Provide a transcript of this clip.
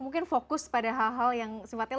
mungkin fokus pada hal hal yang sifatnya